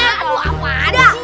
eh dimulai dimulai dimulai